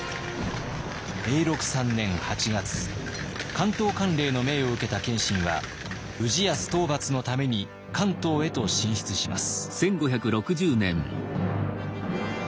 関東管領の命を受けた謙信は氏康討伐のために関東へと進出します。